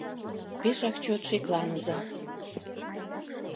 Пешак чот шекланыза!»